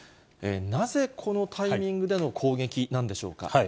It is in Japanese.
なぜこのタイミングでの攻撃なんでしょうか。